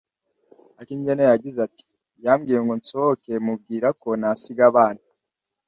Akingeneye yagize ati “Yambwiye ngo nsohoke mubwira ko ntasiga abana